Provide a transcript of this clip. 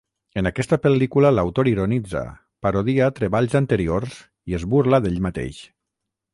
En aquesta pel·lícula l'autor ironitza, parodia treballs anteriors i es burla d'ell mateix.